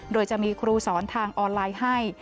โดยจะมีครูสอนทางออนไลน์ให้